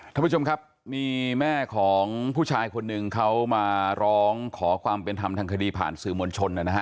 ท่านผู้ชมครับมีแม่ของผู้ชายคนหนึ่งเขามาร้องขอความเป็นธรรมทางคดีผ่านสื่อมวลชนนะฮะ